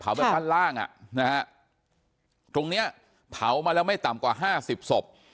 แบบด้านล่างอ่ะนะฮะตรงเนี้ยเผามาแล้วไม่ต่ำกว่าห้าสิบศพ